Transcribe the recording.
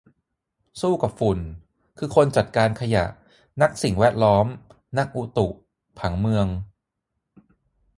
สู้กับฝุ่น คือคนจัดการขยะ นักสิ่งแวดล้อม นักอุตุ ผังเมือง